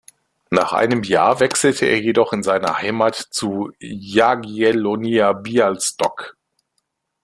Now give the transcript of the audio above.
Nach einem Jahr wechselte er jedoch in seine Heimat zu Jagiellonia Białystok.